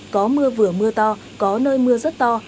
có mưa vừa mưa to có nơi mưa rất to